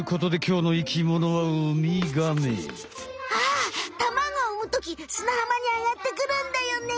あ卵を産むときすなはまにあがってくるんだよね。